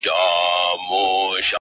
• ویل دا تعویذ دي زوی ته کړه په غاړه -